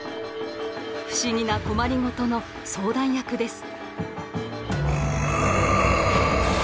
不思議な困りごとの相談役です。